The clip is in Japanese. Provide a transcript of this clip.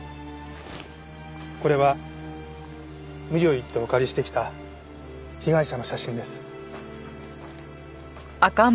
これは無理を言ってお借りしてきた被害者の写真です。